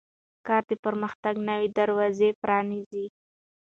کار د پرمختګ نوې دروازې پرانیزي